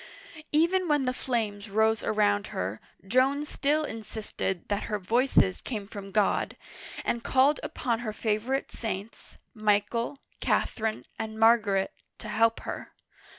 (1422 1461) 197 Even when the flames rose around her, Joan still in sisted that her " voices " came from God, and called upon her favorite saints, Michael, Catherine, and Margaret, to help her.